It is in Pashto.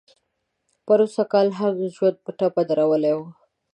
پروسږ کال هم ژوند په ټپه درولی و.